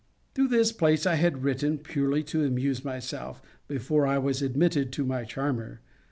To this place I had written, purely to amuse myself, before I was admitted to my charmer.